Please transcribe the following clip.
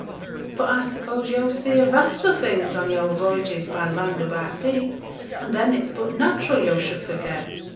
But I suppose yo' see a vast o' things on yo'r voyages by land or by sea, and then it's but natural yo' should forget.'